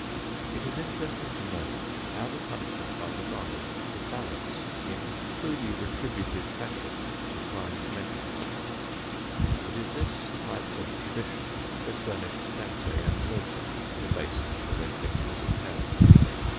It is interesting to note how the punishments are devised to balance in truly retributive fashion the crimes mentioned. It is this type of tradition that furnished Dante and Milton the basis for their pictures of hell.